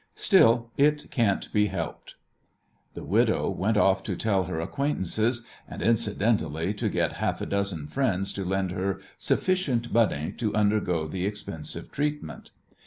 Still, it can't be helped." The widow went off to tell her acquaintances, and, incidentally, to get half a dozen friends to lend her sufficient money to undergo the expensive treatment.